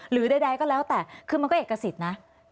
หรือใดก็แล้วแต่คือมันก็เอกสิทธิ์นะ